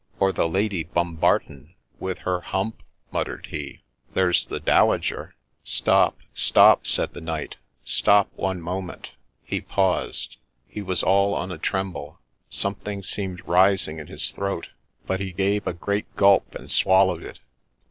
' Or the Lady Bumbarton.' ' With her hump !' muttered he. ' There 's the Dowager —'' Stop — stop !' said the knight, ' stop one moment !'— He paused ; he was all on the tremble ; something seemed rising in his throat, but he gave a great gulp, and swallowed it.